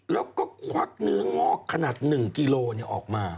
แล้วก็ควักเนื้องอกขนาดหนึ่งกิโลนี่ออกมา